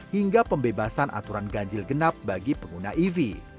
hingga pembebasan aturan ganjil genap bagi pengguna ev